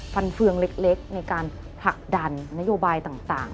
ฟันเฟืองเล็กในการผลักดันนโยบายต่าง